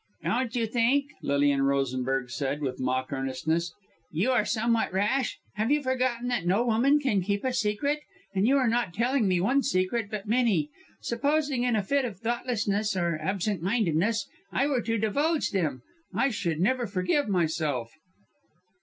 "Don't you think," Lilian Rosenberg said, with mock earnestness, "you are somewhat rash! Have you forgotten that no woman can keep a secret and you are not telling me one secret but many. Supposing in a fit of thoughtlessness or absent mindedness, I were to divulge them! I should never forgive myself."